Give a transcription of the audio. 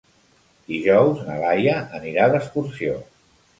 Dijous na Laia anirà d'excursió.